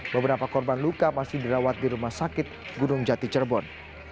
beberapa korban luka masih dirawat di rumah sakit gunung jati cirebon